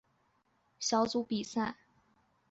西亚区和东南亚区的同国球队不能同一小组比赛。